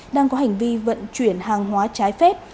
đang có hành vi vận chuyển hàng hóa trái phép